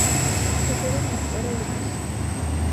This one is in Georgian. ციხიდან მისწერა ლუკას.